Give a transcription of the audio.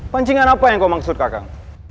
pancingan apa yang kau maksud kakak